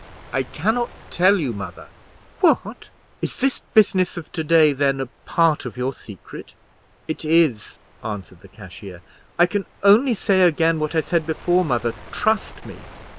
"I cannot tell you, mother." "What! is this business of to day, then, a part of your secret?" "It is," answered the cashier. "I can only say again what I said before, mother—trust me!"